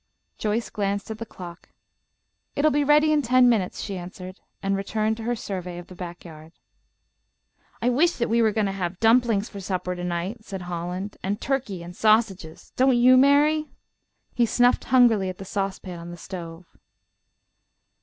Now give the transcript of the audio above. Joyce glanced at the clock. "It'll be ready in ten minutes," she answered, and returned to her survey of the back yard. "I wish that we were going to have dumplings for supper to night," said Holland, "and turkey and sausages. Don't you, Mary?" He snuffed hungrily at the saucepan on the stove.